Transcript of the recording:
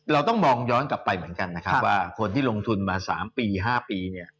เราต้องมองย้อนกลับไปเหมือนกันนะครับว่าคนที่ลงทุนมา๓ปี๕ปีเนี่ย